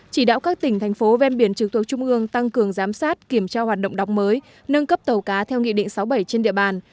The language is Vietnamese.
chỉ đạo các tỉnh thành phố ven biển trực thuộc trung ương tăng cường giám sát kiểm tra hoạt động đóng mới nâng cấp tàu cá theo nghị định sáu mươi bảy trên địa bàn